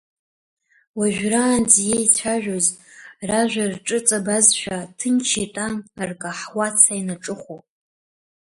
Уажәраанӡа иеицәажәоз, ражәа рҿыҵабазшәа, ҭынч итәан, ркаҳуа ца инаҿыхәо.